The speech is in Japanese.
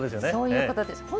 そういうことです。